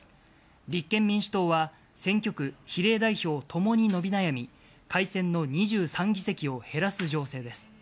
立憲民主党は選挙区、比例代表ともに伸び悩み、改選の２３議席を減らす情勢です。